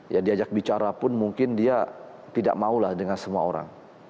ya diajak bicara pun mungkin dia tidak maulah dengan semua orang